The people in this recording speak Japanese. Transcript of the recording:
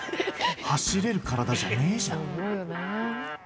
走れる体じゃねえじゃん。